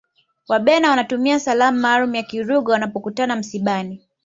wabena wanatumia salamu maalum ya kilugha wanapokutana msibani